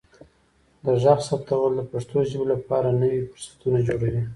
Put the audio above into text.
د غږ ثبتول د پښتو ژبې لپاره نوي فرصتونه جوړوي.